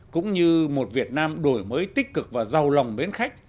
cũng như một việt nam đổi mới tích cực và giàu lòng mến khách